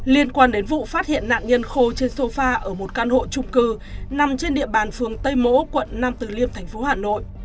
liên quan đến vụ phát hiện nạn nhân khô trên sofa ở một căn hộ trung cư nằm trên địa bàn phường tây mỗ quận nam từ liêm thành phố hà nội